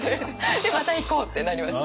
でまた行こうってなりました。